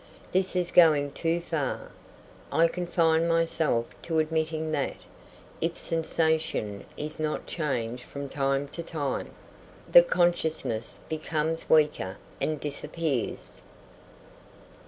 This is going too far. I confine myself to admitting that, if sensation is not changed from time to time, the consciousness becomes weaker and disappears.